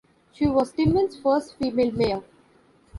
She was Timmins' first female mayor.